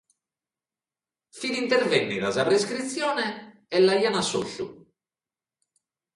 Fiat intervènnida sa prescritzione e l'aiant assoltu.